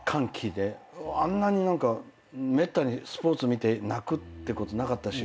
あんなにめったにスポーツ見て泣くってことなかったし。